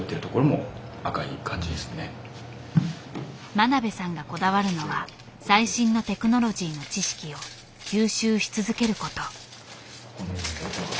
真鍋さんがこだわるのは最新のテクノロジーの知識を吸収し続ける事。